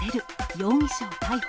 容疑者を逮捕。